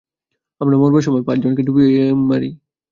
আমরা মরবার সময় পাঁচজনকে ডুবিয়ে মারি।